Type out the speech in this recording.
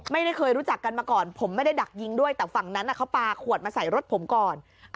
ไม่ได้เคยรู้จักกันมาก่อนผมไม่ได้ดักยิงด้วยแต่ฝั่งนั้นเขาปลาขวดมาใส่รถผมก่อน